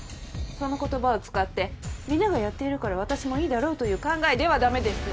その言葉を使って皆がやっているから私もいいだろうという考えではダメです！